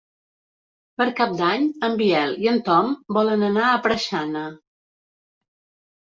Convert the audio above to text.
Per Cap d'Any en Biel i en Tom volen anar a Preixana.